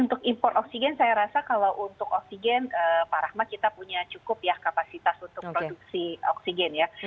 untuk impor oksigen saya rasa kalau untuk oksigen pak rahmat kita punya cukup ya kapasitas untuk produksi oksigen ya